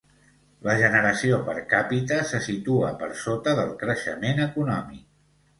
La generació per càpita se situa per sota del creixement econòmic.